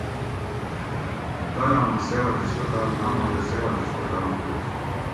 کالاماں سِول ہسپتال ناماں تہ سول ہسپتال تُھو